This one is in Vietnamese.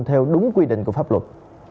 theo đúng quy định của pháp luật